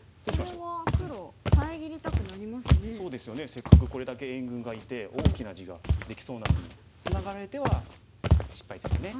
せっかくこれだけ援軍がいて大きな地ができそうなのにツナがられては失敗ですよね。